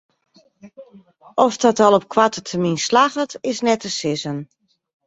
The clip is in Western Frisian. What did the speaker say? Oft dat al op koarte termyn slagget is net te sizzen.